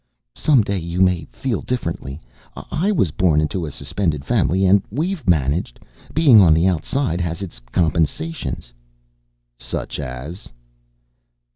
"Some day you may feel differently. I was born into a Suspended family and we've managed. Being on the outside has its compensations." "Such as?"